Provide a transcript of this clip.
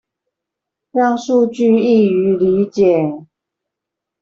讓數據易於理解